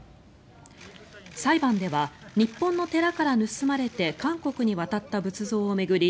裁判では日本の寺から盗まれて韓国に渡った仏像を巡り